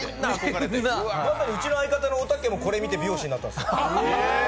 まさにうちの相方のおたけもこれを見て美容師になったんですよ。